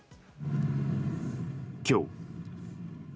今日。